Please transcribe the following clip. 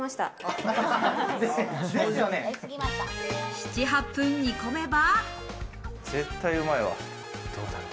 ７８分、煮込めば。